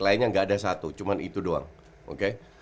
lainnya nggak ada satu cuma itu doang oke